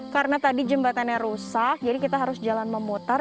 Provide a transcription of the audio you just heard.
karena tadi jembatannya rusak jadi kita harus jalan memotar